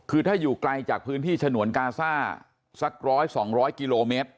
คือถ้าอยู่ไกลจากพื้นที่ฉนวนกาซ่าสัก๑๐๐๒๐๐กิโลเมตร